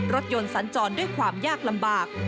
รถยนต์สัญจรด้วยความยากลำบาก